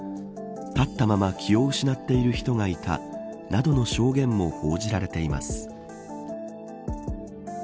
立ったまま気を失っている人がいたなどの証言も報じられています。